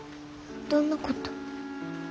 どんなこと？